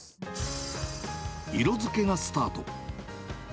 色付けがスタート。